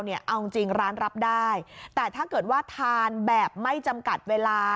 เอาจริงร้านรับได้แต่ถ้าเกิดว่าทานแบบไม่จำกัดเวลา